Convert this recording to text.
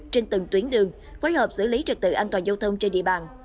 trên từng tuyến đường phối hợp xử lý trực tự an toàn giao thông trên địa bàn